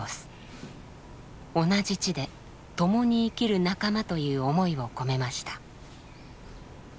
「同じ地でともに生きる仲間」という思いを込めました。